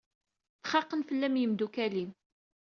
D xaqen fell-am yemdukal-im.